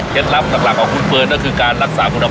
เก็บลำต่างของคุณเปิ้ลนั่นคือการลักษาหุ่นภาพ